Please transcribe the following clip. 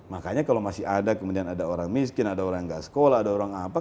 makanya kalau masih ada kemudian ada orang miskin ada orang nggak sekolah ada orang apa